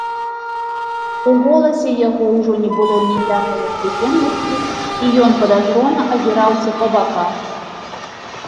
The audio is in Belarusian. У голасе яго ўжо не было ніякае прыемнасці, і ён падазрона азіраўся па баках.